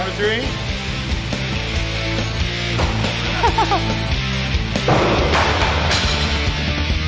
โอ้โหเมิร์เมิร์เติลที่สุด